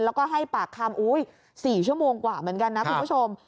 แล้วก็ให้ปากคำ๔ชั่วโมงกว่าเหมือนกันนะคุณผู้ชม